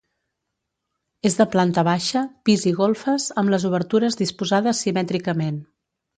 És de planta baixa, pis i golfes, amb les obertures disposades simètricament.